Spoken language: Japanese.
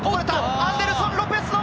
アンデルソン・ロペスの前！